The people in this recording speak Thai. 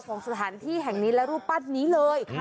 ของสถานที่แห่งนี้และรูปปั้นนี้เลย